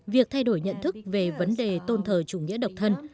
việc thay đổi nhận thức về vấn đề tôn thờ chủ nghĩa độc thân